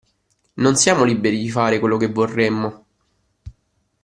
Non siamo liberi di fare quello che vorremmo.